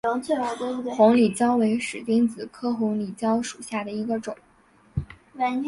红里蕉为使君子科红里蕉属下的一个种。